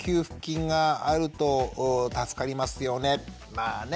まあね